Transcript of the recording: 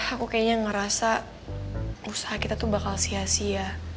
aku kayaknya ngerasa usaha kita tuh bakal sia sia